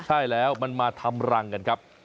ใช่แล้วมันมาทำรังกันครับ